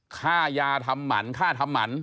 ค่ายาทำหมันค่าทำหมัน